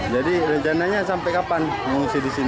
jadi rencananya sampai kapan mengungsi di sini